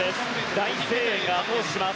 大声援があと押しします。